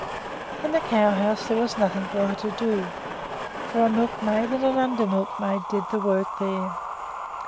In the cow house there was nothing for her to do, for a milkmaid and an under milkmaid did the work there.